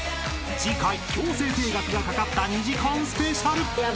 ［次回強制停学がかかった２時間スペシャル］